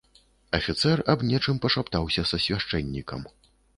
Афіцэр аб нечым пашаптаўся са свяшчэннікам.